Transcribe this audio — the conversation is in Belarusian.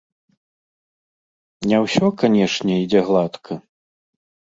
Не ўсё, канечне, ідзе гладка.